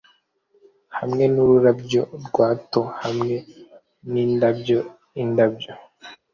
hamwe nuburabyo-bwato hamwe nindabyo-indabyo.